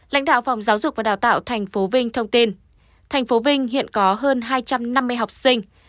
lãnh đạo phòng giáo dục và đào tạo tp vinh thông tin thành phố vinh hiện có hơn hai trăm năm mươi học sinh